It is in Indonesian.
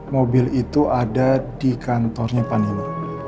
mobil itu ada di kantornya pak nino